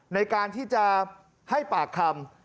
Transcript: ในการที่จะให้ปากคำ